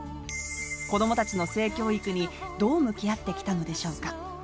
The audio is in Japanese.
子供たちの性教育にどう向き合ってきたのでしょうか？